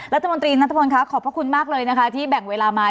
รัฐมนตรีณฑนครับขอบคุณมากเลยที่แบ่งเวลามา